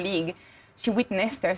salah satu dari teman saya